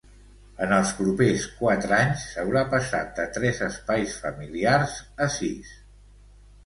En els propers quatre anys, s'haurà passat de tres espais familiars a sis.